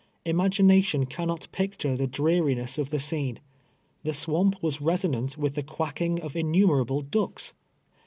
Ima gination cannot picture the dreariness of the scene. The swamp was resonant with the quacking of innu merable ducks